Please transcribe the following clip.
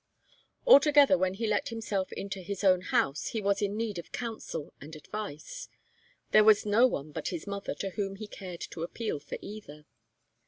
Altogether, when he let himself into his own house, he was in need of counsel and advice. There was no one but his mother to whom he cared to appeal for either.